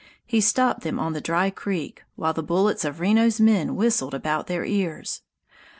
He stopped them on the dry creek, while the bullets of Reno's men whistled about their ears.